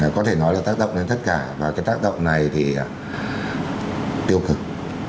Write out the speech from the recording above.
có thể nói là tác động đến tất cả và cái tác động này thì tiêu cực